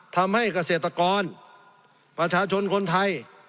ทำให้เกษตรกรประชาชนคนไทย